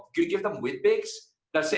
kamu berikan mereka with bigs mereka akan bilang